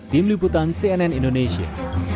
tim liputan cnn indonesia